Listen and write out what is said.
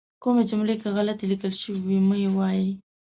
کومې جملې که غلطې لیکل شوي وي مه یې وایئ.